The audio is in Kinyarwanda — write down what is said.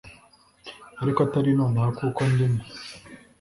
ariko atari nonaha kuko ndimo